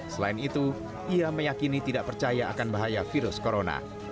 selain itu ia meyakini tidak percaya akan bahaya virus corona